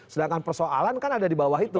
sedangkan persoalan kan ada di bawah itu